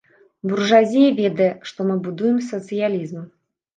Буржуазія ведае, што мы будуем сацыялізм.